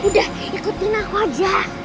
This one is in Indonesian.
udah ikutin aku aja